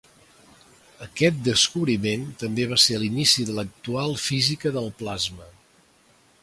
Aquest descobriment també va ser l'inici de l'actual Física del plasma.